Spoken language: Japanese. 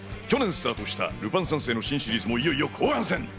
去年スタートした『ルパン三世』の新シリーズもいよいよ後半戦。